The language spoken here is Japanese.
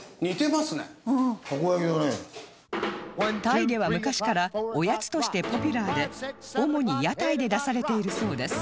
タイでは昔からおやつとしてポピュラーで主に屋台で出されているそうです